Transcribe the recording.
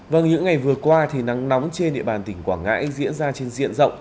vâng những ngày vừa qua thì nắng nóng trên địa bàn tỉnh quảng ngãi diễn ra trên diện rộng